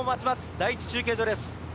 第１中継所です。